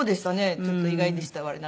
ちょっと意外でした我ながら。